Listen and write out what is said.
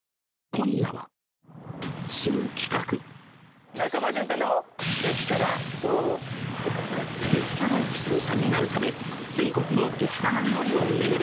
今夜は激辛イキスギさんになるため全国の激辛料理を巡る！